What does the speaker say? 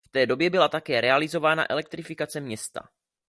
V té době byla také realizována elektrifikace města.